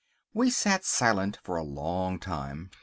We sat silent for a long time.